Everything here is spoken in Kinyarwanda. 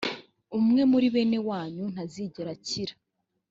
umwe muri bene wanyu ntazigera akira